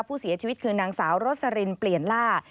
ผู้เสียชีวิตคือนางสาวโรสลินเปลี่ยนล่า